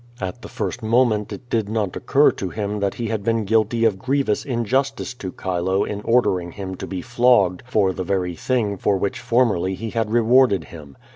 At the first moment it did not occur to him that he had been guilty of grievous injustice to Cliilo in ordering him to be flogged for the very thing for which formerly he had rewarded him.